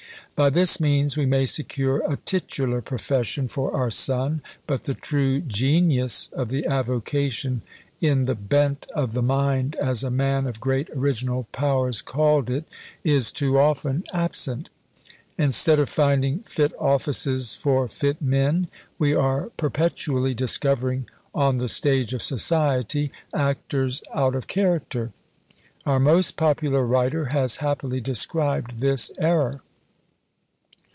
By this means we may secure a titular profession for our son, but the true genius of the avocation in the bent of the mind, as a man of great original powers called it, is too often absent! Instead of finding fit offices for fit men, we are perpetually discovering, on the stage of society, actors out of character! Our most popular writer has happily described this error.